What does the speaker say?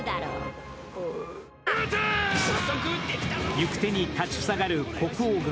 行く手に立ち塞がる国王軍。